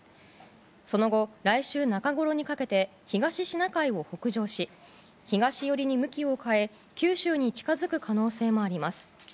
その後、来週中ごろにかけて東シナ海を北上し東寄りに向きを変え九州に近づく可能性もあります。